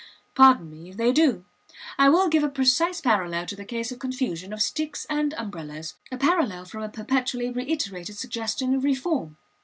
Pardon me if they do. I will give a precise parallel to the case of confusion of sticks and umbrellas, a parallel from a perpetually reiterated suggestion of reform.